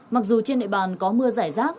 mặc dù trên nệ bàn có mưa giải rác